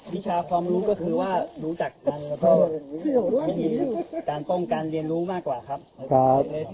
วิชาความรู้ก็คือว่ารู้จักกันแล้วก็วิธีการป้องกันเรียนรู้มากกว่าครับ